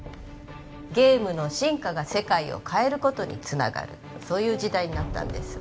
ゲームの進化が世界を変えることにつながるそういう時代になったんです